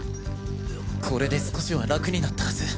これで少しは楽になったはず。